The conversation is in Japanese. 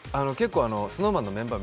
ＳｎｏｗＭａｎのメンバー